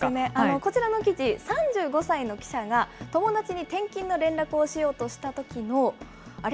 こちらの記事、３５歳の記者が、友達に転勤の連絡をしようとしたときの、あれ？